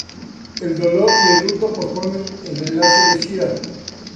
El dolor y el luto posponen el enlace de Shira.